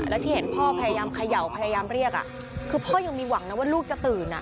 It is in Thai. แล้วที่เห็นพ่อพยายามเขย่าพยายามเรียกคือพ่อยังมีหวังนะว่าลูกจะตื่น